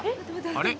あれ？